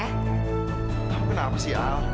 kamu kenapa sih al